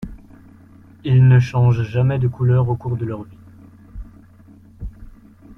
Ils ne changent jamais de couleur au cours de leur vie.